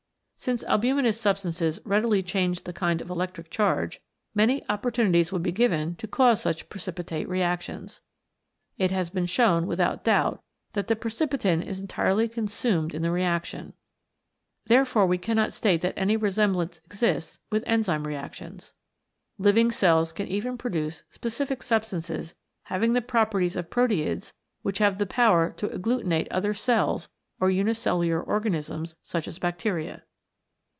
Since albuminous substances readily change the kind of electric charge, many opportunities would be given to cause such precipitate reactions. It has been shown without doubt that the precipitin is entirely consumed in the reaction. Therefore we cannot state that any resemblance exists with enzyme reactions. Living cells can even produce specific substances having the properties of proteids which have the power to agglutinate other cells or unicellular organisms such as bacteria.